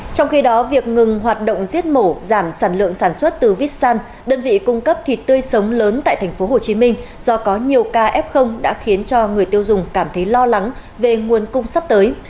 trong khi đó việc ngừng hoạt động giết mổ giảm sản lượng sản xuất từ vitsan đơn vị cung cấp thịt tươi sống lớn tại tp hcm do có nhiều kf đã khiến cho người tiêu dùng cảm thấy lo lắng về nguồn cung sắp tới